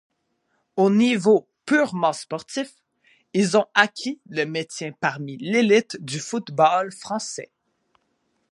Au niveau purement sportif, ils ont acquis leur maintien parmi l'élite du football français.